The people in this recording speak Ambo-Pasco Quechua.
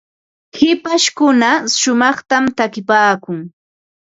hipashkuna shumaqta takipaakun.